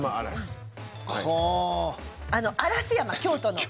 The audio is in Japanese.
嵐山京都の。